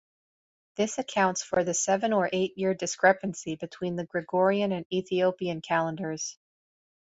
This accounts for the seven- or eight-year discrepancy between the Gregorian and Ethiopian calendars.